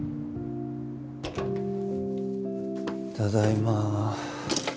ただいま。